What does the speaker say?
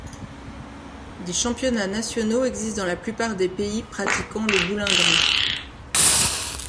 Des championnats nationaux existent dans la plupart des pays pratiquant le boulingrin.